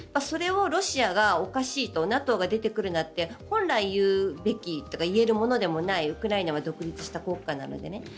それをロシアがおかしいとＮＡＴＯが出てくるなって本来、言うべきというか言えるものでもないウクライナは独立した国家なのでね。